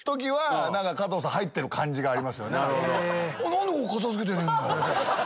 何でここ片付けてねえんだよ。